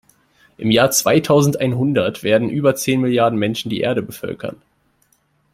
Im Jahr zweitausendeinhundert werden über zehn Milliarden Menschen die Erde bevölkern.